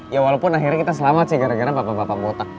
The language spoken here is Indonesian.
ya walaupun akhirnya kita selamat sih gara gara bapak bapak mutak